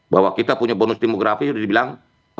bahwa kita punya bonus demografi sudah dibilang